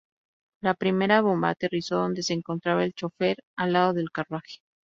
La primera bomba aterrizó donde se encontraba el chofer, al lado del carruaje.